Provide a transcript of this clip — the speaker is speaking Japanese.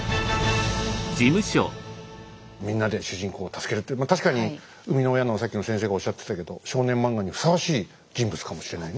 みんなで主人公を助けるっていう確かに生みの親のさっきの先生がおっしゃってたけど少年漫画にふさわしい人物かもしれないね。